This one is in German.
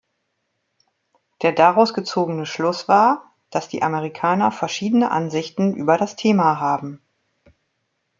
Der daraus gezogene Schluss war, dass die Amerikaner verschiedene Ansichten über das Thema haben.